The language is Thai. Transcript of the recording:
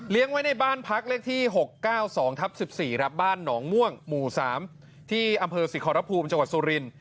เลี้ยงไว้ในบ้านพักเลขที่๖๙๒๑๔ราบบ้านหนองม่วงหมู่๓ที่อำเภอศิษย์ศิษย์ครอบครับภูมิจังหวัดสูริน